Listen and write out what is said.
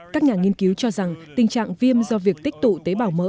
các nhà nghiên cứu cho rằng tình trạng viêm do việc tích tụ tế bào mỡ